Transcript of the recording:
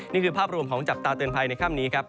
นี่คือภาพรวมของจับตาเตือนภัยในค่ำนี้ครับ